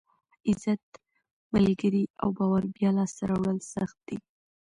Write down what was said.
عزت، ملګري او باور بیا لاسته راوړل سخت دي.